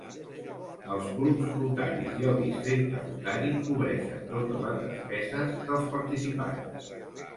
Els clubs rotaris i el districte rotari cobreixen totes les despeses dels participants.